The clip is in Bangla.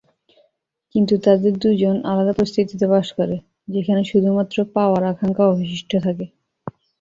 কিন্তু তাদের দুজন আলাদা পরিস্থিতিতে বাস করে, যেখানে শুধুমাত্র পাওয়ার আকাঙ্ক্ষা অবশিষ্ট থাকে।